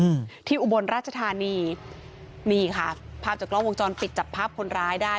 อืมที่อุบลราชธานีนี่ค่ะภาพจากกล้องวงจรปิดจับภาพคนร้ายได้